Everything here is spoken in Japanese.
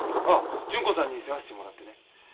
ああ純子さんに世話してもらってね。